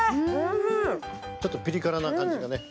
ちょっとピリ辛な感じ。